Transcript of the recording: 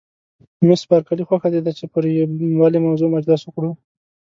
مس بارکلي: خوښه دې ده چې پر یوې بلې موضوع مجلس وکړو؟